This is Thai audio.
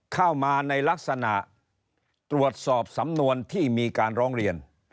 เข้ามาในลักษณะตรวจสอบสำนวนที่มีการร้องเรียน